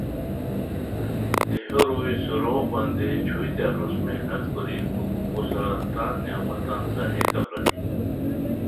دیہو روئے سوروغ بندئیے چھوئے تہ انوس محنت کوری پُھک اوغو سورا تان نعمتان ځاہیکا پرانی